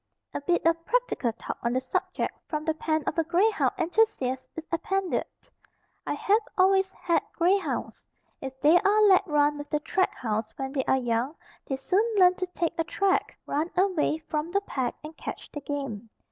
A bit of practical talk on the subject from the pen of a grey hound enthusiast is appended: I have always had grey hounds. If they are let run with the track hounds when they are young they soon learn to take a track, run away from the pack and catch the game.